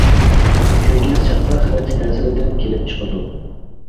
كۆيگەن سەپرا خىلىتى تەسىرىدىن كېلىپ چىقىدۇ.